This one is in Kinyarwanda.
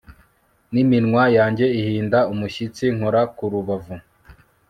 Niminwa yanjye ihinda umushyitsi nkora ku rubavu